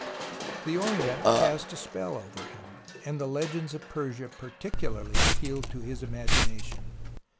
The Orient cast a spell over him, and the legends of Persia particularly appealed to his imagination.